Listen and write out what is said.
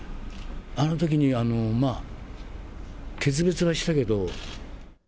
あのときに、まあ、決別はしたけど。